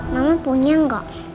mama punya gak